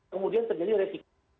kemudian terjadi resiko